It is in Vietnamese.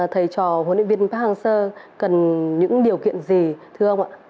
thầy trò huấn luyện viên pháp hàng sơ cần những điều kiện gì thưa ông ạ